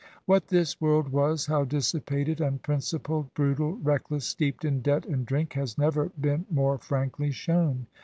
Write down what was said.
What this world was, how dissipated, unprincipled, brutal, reckless, steeped in debt and drink, has never been more frankly shown.